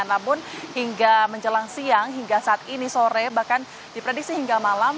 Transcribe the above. namun hingga menjelang siang hingga saat ini sore bahkan diprediksi hingga malam